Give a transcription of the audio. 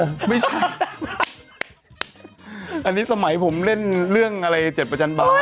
ไม่ใช่อันนี้สมัยผมเล่นเรื่องอะไรเจ็ดประจานบาน